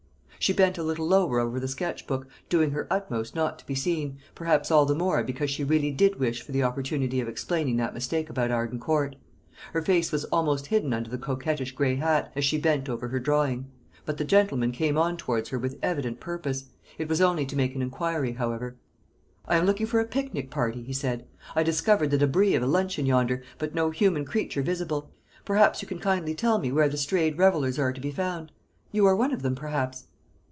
She bent a little lower over the sketch book, doing her uttermost not to be seen, perhaps all the more because she really did wish for the opportunity of explaining that mistake about Arden Court. Her face was almost hidden under the coquettish gray hat, as she bent over her drawing; but the gentleman came on towards her with evident purpose. It was only to make an inquiry, however. "I am looking for a picnic party," he said. "I discovered the débris of a luncheon yonder, but no human creature visible. Perhaps you can kindly tell me where the strayed revellers are to be found; you are one of them, perhaps?"